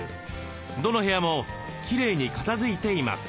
どの部屋もきれいに片づいています。